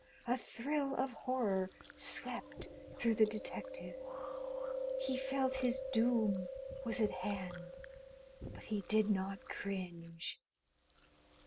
A thrill of horror swept through the detective. He felt his doom was at hand. But he did not cringe.